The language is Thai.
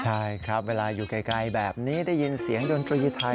ใช่ครับเวลาอยู่ไกลแบบนี้ได้ยินเสียงดนตรีไทย